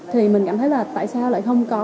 thì mình cảm thấy là tại sao lại không có